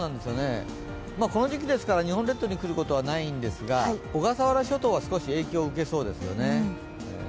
この時期ですから、日本列島にくることはないんですが小笠原諸島は影響受けそうですね。